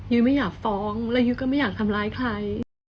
ไม่อยากฟ้องแล้วยุ้ยก็ไม่อยากทำร้ายใคร